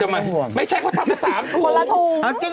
ไม่ใช่เกิดทำไป๓ถุง